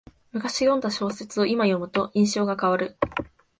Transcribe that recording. むかし読んだ小説をいま読むと印象が変わる